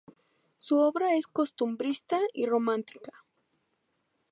Su obra es costumbrista y romántica.